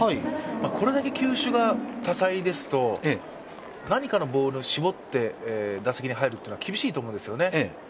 これだけ球種が多彩ですと、何かのボールに絞って打席に入るのは厳しいと思うんですよね。